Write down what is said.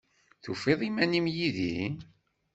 Tufiḍ iman-im yid-i?